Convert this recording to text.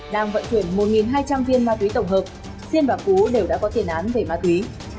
đang vận chuyển một hai trăm linh viên ma quý tổng hợp xiên và cú đều đã có thiền án về ma quý